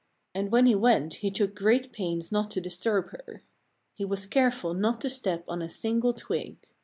And when he went he took great pains not to disturb her. He was careful not to step on a single twig.